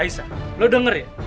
aisyah lu denger ya